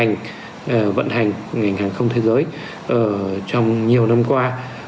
ngành hàng không thế giới trong nhiều năm qua